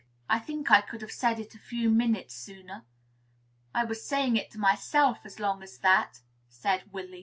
"I think I could have said it a few minutes sooner. I was saying it to myself as long as that!" said Willy.